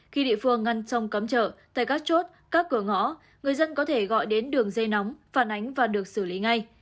khi địa phương ngăn sông cấm chợ tại các chốt các cửa ngõ người dân có thể gọi đến đường dây nóng phản ánh và được xử lý ngay